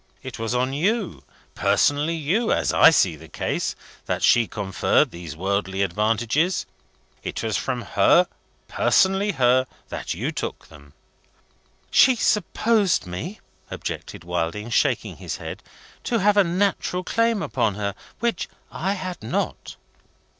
It was on you, personally you, as I see the case, that she conferred these worldly advantages; it was from her, personally her, that you took them." "She supposed me," objected Wilding, shaking his head, "to have a natural claim upon her, which I had not."